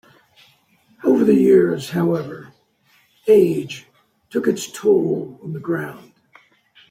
Over the years, however, age took its toll on the ground.